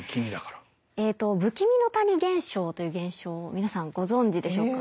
えっと不気味の谷現象という現象を皆さんご存じでしょうか？